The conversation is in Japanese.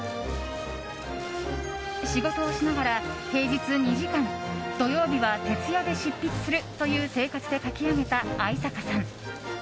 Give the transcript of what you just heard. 仕事をしながら平日２時間土曜日は徹夜で執筆するという生活で書き上げた、逢坂さん。